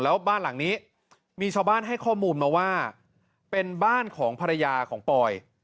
แล้วบ้านหลังนี้มีชาวบ้านให้ข้อมูลมาว่าเป็นบ้านของภรรยาของปอย